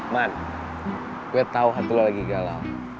man gue tau hantu lo lagi galau